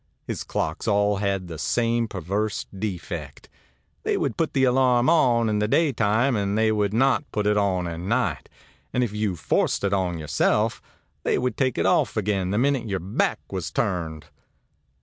His clocks all had the same perverse defect: they would put the alarm on in the daytime, and they would not put it on at night; and if you forced it on yourself, they would take it off again the minute your back was turned.